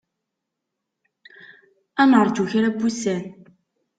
Ad naṛǧut kra n wussan.